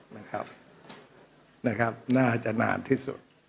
นะครับน่าจะนานที่สุด